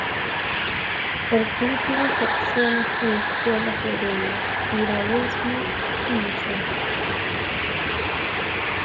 El club tiene secciones y escuelas de vela, piragüismo y buceo.